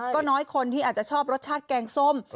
ก็น้อยคนที่อาจจะชอบรสชาติแกงส้ม